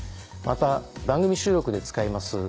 また番組収録で使います